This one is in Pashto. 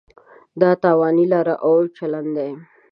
دا تاواني لاره او چلن دی.